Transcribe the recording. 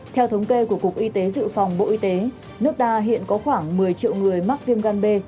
theo thống kê của cục y tế dự phòng bộ y tế nước ta hiện có khoảng một mươi triệu người mắc viêm gan b